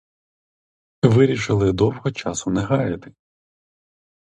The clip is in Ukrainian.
Вирішили довго часу не гаяти.